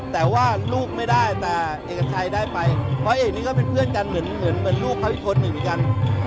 แต่ว่าลูกไม่ได้แต่เอกชัยได้ไปเพราะเอกนี้ก็เป็นเพื่อนกันเหมือนลูกเขาอีกคนหนึ่งเหมือนกัน